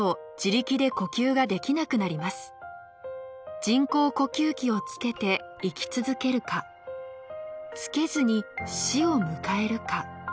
人工呼吸器をつけて生き続けるかつけずに死を迎えるか。